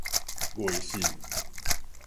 月信